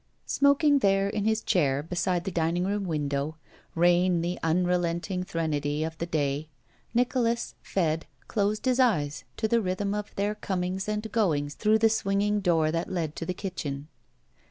Smoking there in his chair beside the dining room window, rain the unrelenting threnody of the day, Nicholas, fed, closed his eyes to the rhythm of their comings and goings through the swinging door that led to the kitchen.